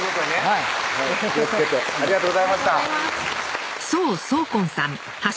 はいお気をつけてありがとうございました